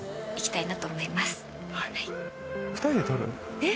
えっ！